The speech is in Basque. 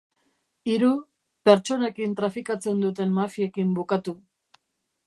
Hiru, pertsonekin trafikatzen duten mafiekin bukatu.